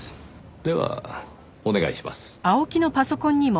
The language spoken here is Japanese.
ではお願いします。